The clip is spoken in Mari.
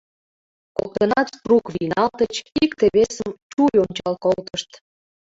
Коктынат трук вийналтыч, икте-весым чуй ончал колтышт.